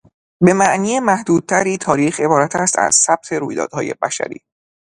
به معنی محدودتری، تاریخ عبارتست از ثبت رویدادهای بشری.